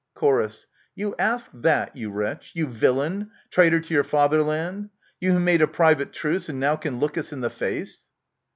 Chor. You ask that, you wretch, you villain ! traitor to your fatherland ! You who made a private truce and now can look us in the face